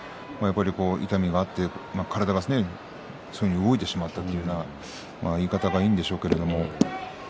痛みがあって体がそういうふうに動いてしまったという言い方がいいんでしょうけれども。